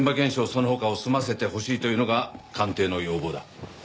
その他を済ませてほしいというのが官邸の要望だ。